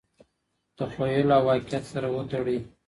تخیل او واقعیت سره وتړئ.